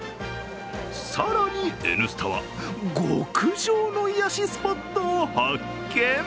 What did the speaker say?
更に、「Ｎスタ」は極上の癒やしスポットを発見！